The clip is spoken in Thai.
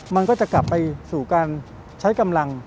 มันก็จะกลับไปสู่การใช้กำลัง